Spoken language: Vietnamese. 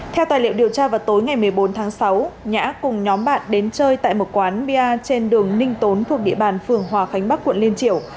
theo tài liệu điều tra vào tối ngày một mươi bốn tháng sáu nhã cùng nhóm bạn đến chơi tại một quán bia trên đường ninh tốn thuộc địa bàn phường hòa khánh bắc quận liên triều